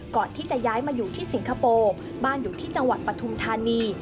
ก่อนที่จะย้ายมาอยู่ที่สิงคโปร์บ้านอยู่ที่จังหวัดปฐุมธานี